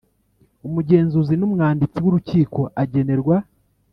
Umugenzuzi n umwanditsi w urukiko agenerwa